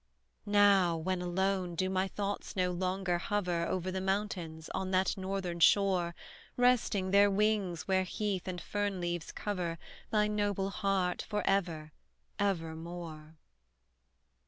Now, when alone, do my thoughts no longer hover Over the mountains, on that northern shore, Resting their wings where heath and fern leaves cover Thy noble heart for ever, ever more?